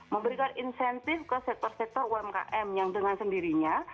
memberikan insentif ke sektor sektor umkm yang dengan sendirinya